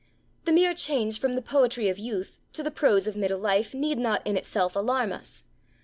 The mere change from the poetry of youth to the prose of middle life need not in itself alarm us.